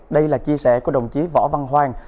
đây là chia sẻ của đồng chí võ văn hoang